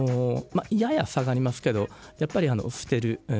やや下がりますけどやっぱり捨てる。